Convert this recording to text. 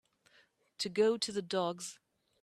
To go to the dogs